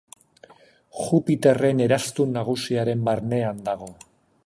Jupiterren eraztun nagusiaren barnean dago.